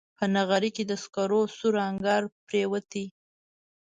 په نغري کې د سکرو سور انګار پرېوتی